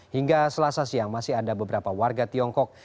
hingga selasa siang masih ada beberapa warga tiongkok